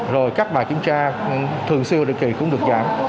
rồi các bài kiểm tra thường siêu định kỳ cũng được giảm